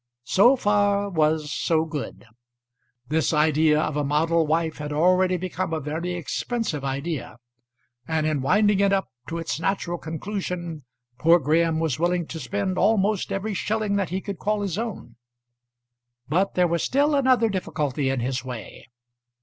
So far was so good. This idea of a model wife had already become a very expensive idea, and in winding it up to its natural conclusion poor Graham was willing to spend almost every shilling that he could call his own. But there was still another difficulty in his way.